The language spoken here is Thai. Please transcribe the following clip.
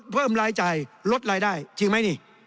เพิ่มรายจ่ายลดรายได้จริงไหมนี่